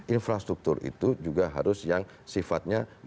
infrastruktur itu juga harus yang sifatnya